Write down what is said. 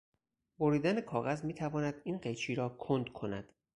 بریدن کاغذ میتواند این قیچی را کند کند